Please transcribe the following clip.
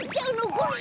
これ。